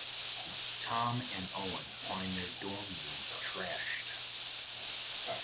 Tom and Owen find their dorm room trashed.